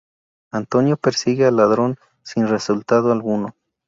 Antonio persigue al ladrón sin resultado alguno.